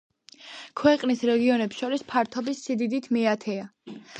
ქვეყნის რეგიონებს შორის ფართობის სიდიდით მეათეა.